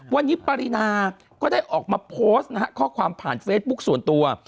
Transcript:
วันนี้ปรินาก็ได้ออกมาโพสต์นะฮะข้อความผ่านเฟซบุ๊คส่วนตัว